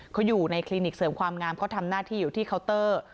เขาอยู่ในคลินิกเสริมความงามเขาทำหน้าที่อยู่ที่เคาน์เตอร์